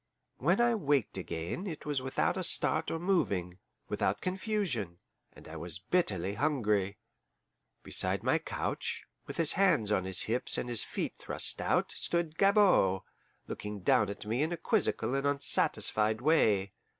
When I waked again, it was without a start or moving, without confusion, and I was bitterly hungry. Beside my couch, with his hands on his hips and his feet thrust out, stood Gabord, looking down at me in a quizzical and unsatisfied way.